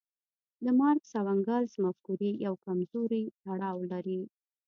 د مارکس او انګلز مفکورې یو کمزوری تړاو لري.